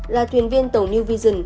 là thuyền viên tàu new vision